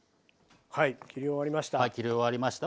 はい切り終わりました。